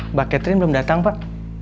mbak catherine belum datang pak